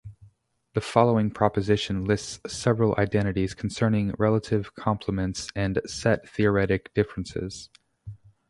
The following proposition lists several identities concerning relative complements and set-theoretic differences.